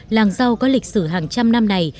làng rau có lịch sử hàng trăm năm này